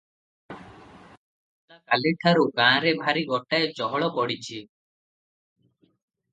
ଗଲା କାଲିଠାରୁ ଗାଁରେ ଭାରି ଗୋଟାଏ ଚହଳ ପଡିଛି ।